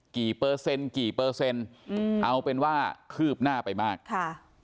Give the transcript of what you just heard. เปอร์เซ็นต์กี่เปอร์เซ็นต์อืมเอาเป็นว่าคืบหน้าไปมากค่ะ